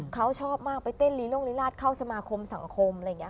เขาชอบมากไปเต้นลีโรงลีราชเข้าสมาคมสังคมอะไรอย่างนี้ค่ะ